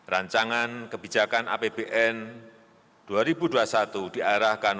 rancangan kebijakan apbn dua ribu dua puluh satu diarahkan